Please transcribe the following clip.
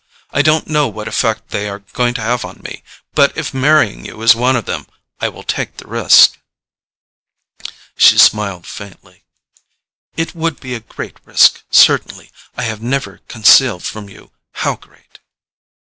I don't know what effect they are going to have on me—but if marrying you is one of them, I will take the risk." She smiled faintly. "It would be a great risk, certainly—I have never concealed from you how great."